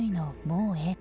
もうええ！